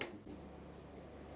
bukan pak bukan pak